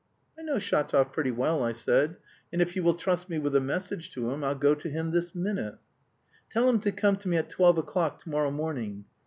"I know Shatov pretty well," I said, "and if you will trust me with a message to him I'll go to him this minute." "Tell him to come to me at twelve o'clock to morrow morning.